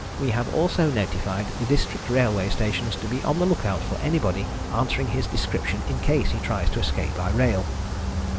We have also notified the district railway stations to be on the lookout for anybody answering his description, in case he tries to escape by rail."